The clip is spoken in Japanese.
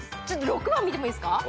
６番見てもいいっすか？